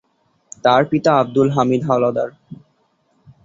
তার পিতা আবদুল হামিদ হাওলাদার।